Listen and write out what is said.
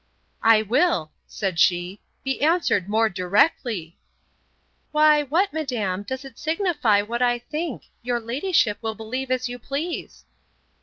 I will, said she, be answered more directly. Why, what, madam, does it signify what I think? Your ladyship will believe as you please.